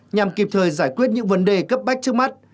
nhằm kịp thời giải quyết những vấn đề cấp bách trước mắt